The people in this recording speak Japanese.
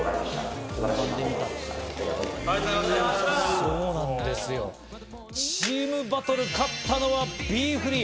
そうなんですよ、チームバトル勝ったのはＢｅＦｒｅｅ。